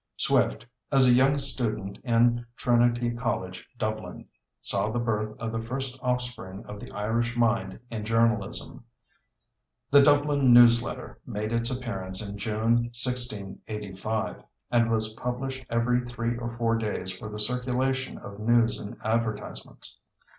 Swift, as a young student in Trinity College, Dublin, saw the birth of the first offspring of the Irish mind in journalism. The Dublin News Letter made its appearance in June, 1685, and was published every three or four days for the circulation of news and advertisements.